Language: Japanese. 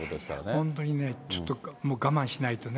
本当にね、ちょっと、我慢しないとね。